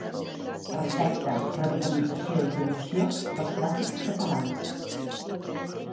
Respecte, revitalització i promoció dels clàssics catalans.